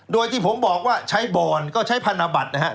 โดยที่ผมบอกว่าใช้บอนก็ใช้พันธบัตรนะครับ